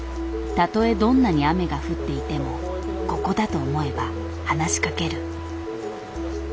たとえどんなに雨が降っていても「ここだ」と思えば話しかける。